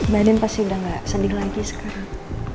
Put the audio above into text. badan pasti udah gak sedih lagi sekarang